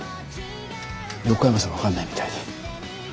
横山さん分かんないみたいで。